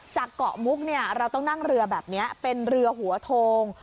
จากเกาะมุกเราต้องนั่งเรือแบบนี้เป็นเรือหัวโทง